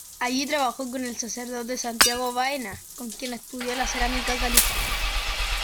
Allí trabajó con el sacerdote Santiago Baena, con quien estudió la cerámica califal.